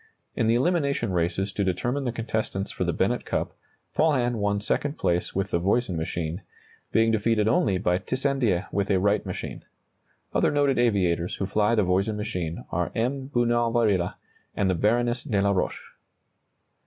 In the elimination races to determine the contestants for the Bennett Cup, Paulhan won second place with the Voisin machine, being defeated only by Tissandier with a Wright machine. Other noted aviators who fly the Voisin machine are M. Bunau Varilla and the Baroness de la Roche.